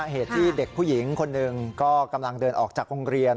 เหตุที่เด็กผู้หญิงคนหนึ่งก็กำลังเดินออกจากโรงเรียน